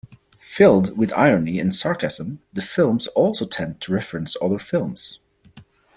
Filled with irony and sarcasm, the films also tend to reference other films.